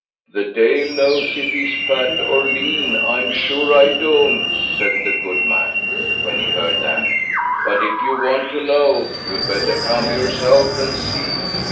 "The Deil knows if he's fat or lean; I'm sure I don't", said the goodman, when he heard that; "but, if you want to know, you had better come yourself and see."